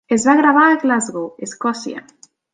Es va gravar a Glasgow, Escòcia.